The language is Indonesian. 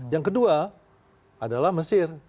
yang kedua adalah mesir